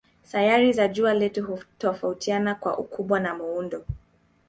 Sayari za jua letu hutofautiana kwa ukubwa na muundo.